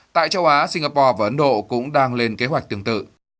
tại châu á singapore và ấn độ cũng đang lên kế hoạch tương tự